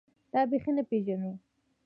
دا بېخي نه پېژنو.